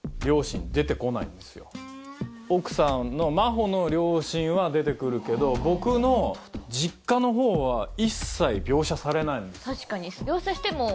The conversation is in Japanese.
奥さんの真帆の両親は出て来るけど僕の実家のほうは一切描写されないんですよ。